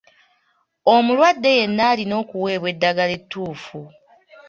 Omulwaddeyenna alina okuweebwa eddagala ettuufu.